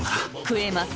食えます！